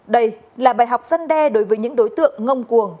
đây là bài học dân đe đối với những đối tượng ngông cuồng